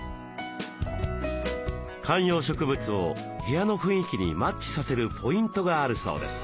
観葉植物を部屋の雰囲気にマッチさせるポイントがあるそうです。